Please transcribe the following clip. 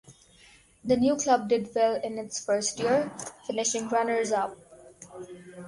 The new club did well in its first year, finishing runners-up.